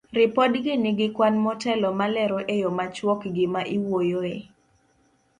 Ripodgi nigi kwan motelo malero e yo machuok gima iwuoyoe.